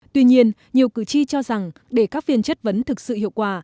tuy nhiên nhiều cử tri cho rằng để các phiên chất vấn thực sự hiệu quả